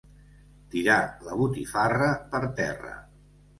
Tirar la botifarra per terra.